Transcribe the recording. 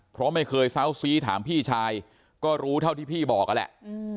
เพราะไม่เคยเซาซีถามพี่ชายก็รู้เท่าที่พี่บอกนั่นแหละ